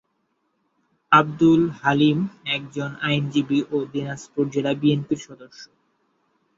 আবদুল হালিম একজন আইনজীবী ও দিনাজপুর জেলা বিএনপির সদস্য।